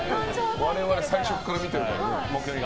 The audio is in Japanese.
我々最初から見ているからね。